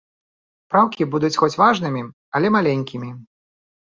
Праўкі будуць хоць важнымі, але маленькімі.